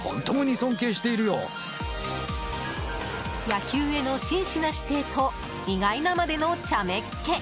野球への真摯な姿勢と意外なまでの茶目っ気。